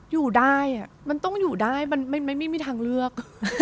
อยู่ได้มันต้องอยู่ได้มันไม่มีทางเลือก